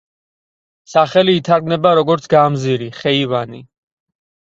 სახელი ითარგმნება როგორც „გამზირი“, „ხეივანი“.